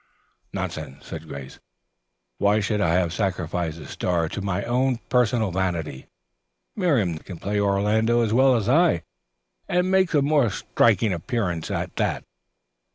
"Nonsense," said Grace. "Why should I have sacrificed the star to my own personal vanity? Miriam Nesbit can play Orlando as well as I, and makes a more striking appearance at that."